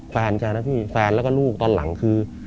แฟนแกนะพี่แฟนแล้วก็ลูกตอนหลังคือ